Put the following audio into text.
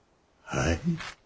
はい。